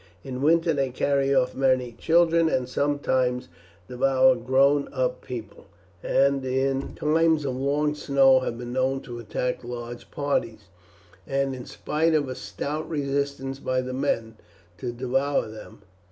In winter they carry off many children, and sometimes devour grown up people, and in times of long snow have been known to attack large parties, and, in spite of a stout resistance by the men, to devour them.